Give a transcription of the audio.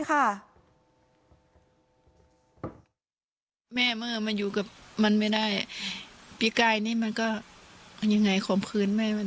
แม่เมื่อมันอยู่กับมันไม่ได้พี่กายนี่มันก็ยังไงข่มขืนแม่